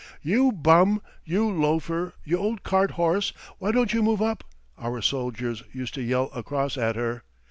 "You bum, you loafer, you old cart horse, why don't you move up?" our soldiers used to yell across at her.